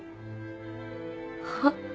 はっ？